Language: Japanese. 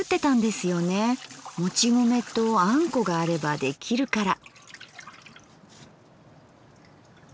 もち米とあんこがあればできるから。